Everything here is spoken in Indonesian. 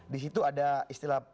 di situ ada istilah pak luhut